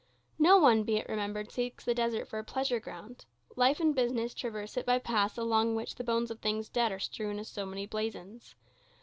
No one, be it remembered, seeks the desert for a pleasure ground. Life and business traverse it by paths along which the bones of things dead are strewn as so many blazons.